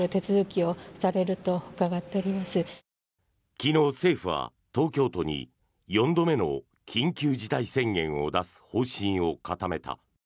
昨日、政府は東京都に４度目の緊急事態宣言を出す方針を固めた。